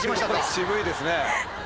渋いですね！